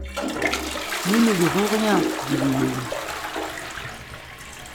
Nous ne verrons rien, dit Guillaume.